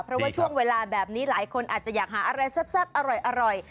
เพราะว่าช่วงเวลาแบบนี้หลายคนอาจจะอยากหาอะไรแซ่บอร่อย